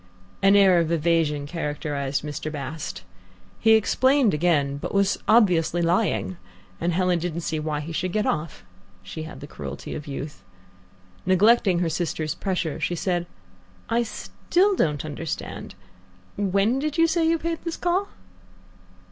An air of evasion characterized Mr. Bast. He explained again, but was obviously lying, and Helen didn't see why he should get off. She had the cruelty of youth. Neglecting her sister's pressure, she said, "I still don't understand. When did you say you paid this call?"